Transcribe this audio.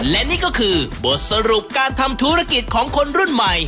และนี่ก็คือบทสรุปการทำธุรกิจของคนรุ่นใหม่